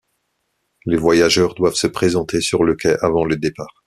Les voyageurs doivent se présenter sur le quai avant le départ.